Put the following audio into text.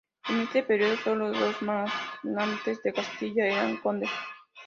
En este periodo solo dos magnates de Castilla eran condes.